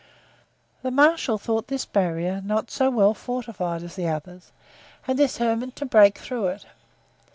The marshal thought this barrier not so well fortified as the others and determined to break through it.